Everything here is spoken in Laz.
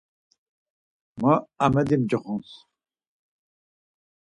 Ma Amedi mcoxons.